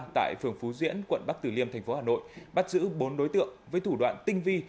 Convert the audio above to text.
tại phường phú diễn quận bắc tử liêm thành phố hà nội bắt giữ bốn đối tượng với thủ đoạn tinh vi